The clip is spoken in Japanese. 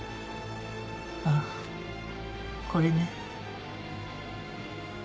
あっこれね。